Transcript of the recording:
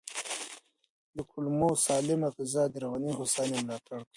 د کولمو سالمه غذا د رواني هوساینې ملاتړ کوي.